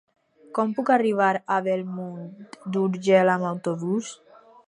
Com puc arribar a Bellmunt d'Urgell amb autobús?